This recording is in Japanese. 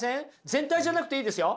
全体じゃなくていいですよ。